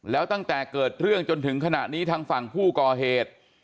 แล้วตั้งแต่เกิดเรื่องจนถึงขณะนี้ทางฝั่งผู้ก่อเหตุ